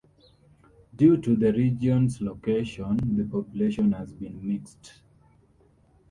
Due to the region's location, the population has been mixed.